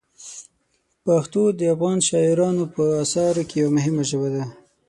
پښتو د افغان شاعرانو په اثارو کې یوه مهمه ژبه ده.